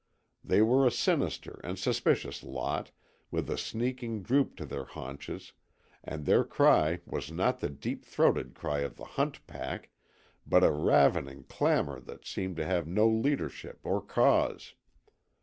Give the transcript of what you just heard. They were a sinister and suspicious lot, with a sneaking droop to their haunches, and their cry was not the deep throated cry of the hunt pack but a ravening clamour that seemed to have no leadership or cause.